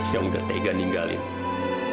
yang sudah tega meninggalin